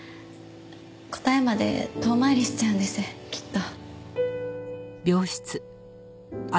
答えまで遠回りしちゃうんですきっと。